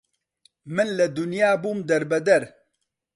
من لە دونیا بوم دەر بەدەر